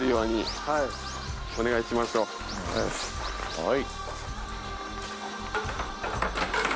はい。